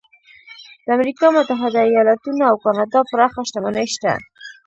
د امریکا متحده ایالتونو او کاناډا پراخه شتمني شته.